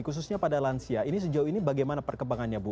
khususnya pada lansia ini sejauh ini bagaimana perkembangannya bu